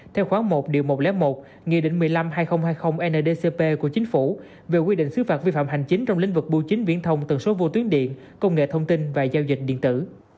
theo khoảng một một trăm linh một nghị định một mươi năm hai nghìn hai mươi ndcp của chính phủ về quy định xứ phạt vi phạm hành chính trong lĩnh vực bưu chính viễn thông tần số vô tuyến điện công nghệ thông tin và giao dịch điện tử